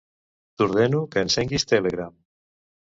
T'ordeno que encenguis Telegram.